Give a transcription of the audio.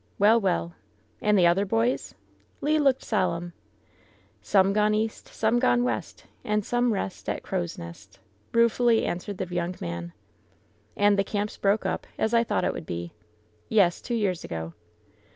"Well, well ! And the other boys ?" Le looked solemn. " ^Some gone east ; Some gone west; And some rest At Crow's Nest,' " ruefully answered the young man. "And the camp's broke up, as I thought it would be." "Yes, two years ago."